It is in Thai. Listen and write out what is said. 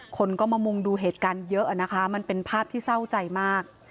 คนก็มามุงดูเหตุการณ์เยอะนะคะมันเป็นภาพที่เศร้าใจมาก